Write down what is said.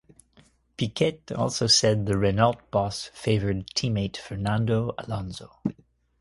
Piquet also said the Renault boss favoured teammate Fernando Alonso.